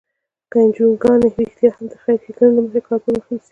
که انجوګانې رښتیا هم د خیر ښیګڼې له مخې کار پر مخ یوسي.